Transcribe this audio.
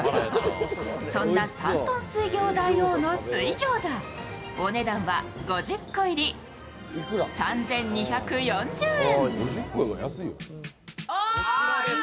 そんな山東水餃大王の水餃子、お値段は５０個入り、３２４０円。